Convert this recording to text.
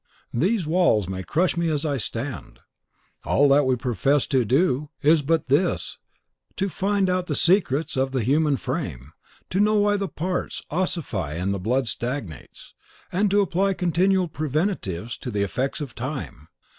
These walls may crush me as I stand. All that we profess to do is but this, to find out the secrets of the human frame; to know why the parts ossify and the blood stagnates, and to apply continual preventives to the effects of time.